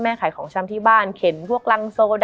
มันทำให้ชีวิตผู้มันไปไม่รอด